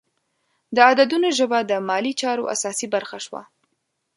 د عددونو ژبه د مالي چارو اساسي برخه شوه.